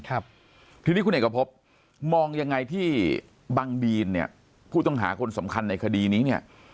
ครับทีนี้คุณเอกพบมองยังไงที่บังดีนเนี่ยผู้ต้องหาคนสำคัญในคดีนี้เนี่ย